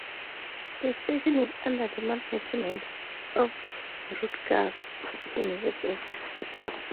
The station is under the management of Rutgers University.